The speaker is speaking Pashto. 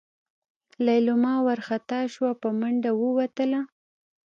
لېلما وارخطا شوه په منډه ووتله.